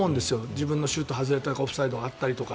自分のシュートが外れたりオフサイドがあったり。